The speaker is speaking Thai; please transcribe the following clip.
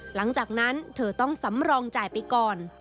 หลังจากนั้นเธอต้องสำรองจ่ายไปก่อน